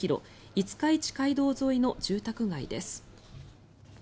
五日市街道沿いの住宅街です。